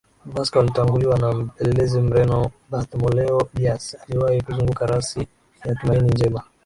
Vasco alitanguliwa na mpelelezi Mreno Bartholomeo Dias aliyewahi kuzunguka Rasi ya Tumaini Njema